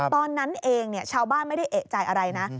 ตอนนั้นเองชาวบ้านไม่ได้เอกใจอะไรนะ